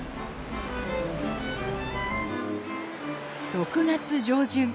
６月上旬。